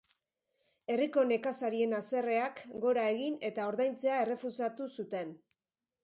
Herriko nekazarien haserreak gora egin eta ordaintzea errefusatu zuten.